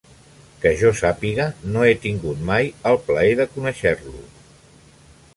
Que jo sàpiga, no he tingut mai el plaer de conèixer-lo.